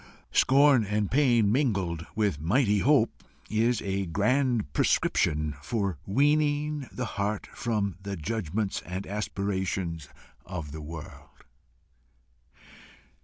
Scorn and pain mingled with mighty hope is a grand prescription for weaning the heart from the judgments and aspirations of this world.